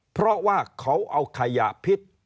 เพราะว่าเขาเอาขยะพิษ